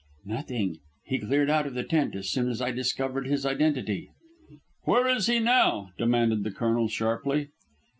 "Nothing. He cleared out of the tent as soon as I discovered his identity." "Where is he now?" demanded the Colonel sharply.